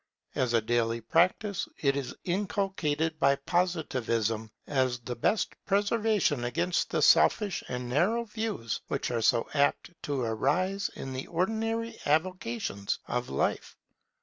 As a daily practice, it is inculcated by Positivism as the best preservative against the selfish and narrow views which are so apt to arise in the ordinary avocations of life.